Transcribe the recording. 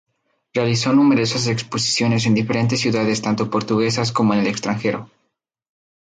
Realizó numerosas exposiciones en diferentes ciudades tanto portuguesas como en el extranjero.